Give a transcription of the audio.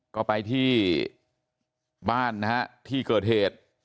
ก็ไปที่บ้านนะฮะที่เกิดเหตุ